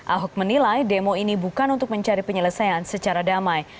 ahok menilai demo ini bukan untuk mencari penyelesaian secara damai